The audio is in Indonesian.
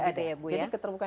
tidak ada ya bu ya